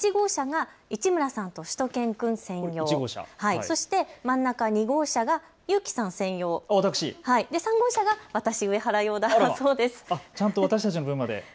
この１号車が市村さんとしゅと犬くん専用、真ん中２号車が裕貴さん専用、３号車が私、上原用だそうです。